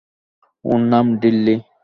ওর নাম ডিল্লি।